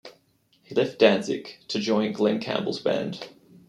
He left Danzig to join Glenn Campbell's band.